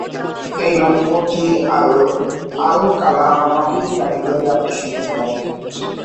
এই লক্ষ্যটি আল-কালামাবীর নারীবাদী আদর্শকে প্রভাবিত করেছিল।